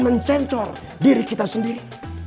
mencensor diri kita sendiri